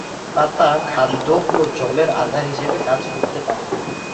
পাতা খাদ্য এবং জলের আধার হিসেবেও কাজ করতে পারে।